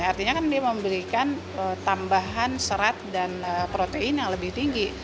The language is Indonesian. artinya kan dia memberikan tambahan serat dan protein yang lebih tinggi